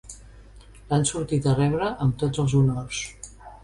L'han sortit a rebre amb tots els honors.